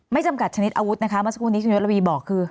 ไม่จำกัดชนิดอาวุธนะคะมาสักครู่นี้จุฬิยธรรมีบอกคือ